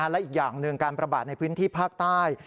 และอีกอย่างหนึ่งการประบาดในพื้นที่ภาคใต้